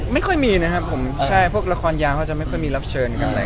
ไม่ค่อยมีนะครับผมใช่พวกละครยางเขาจะไม่ค่อยมีรับเชิญกันอะไร